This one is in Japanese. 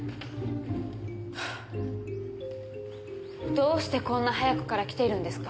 どうしてこんな早くから来ているんですか？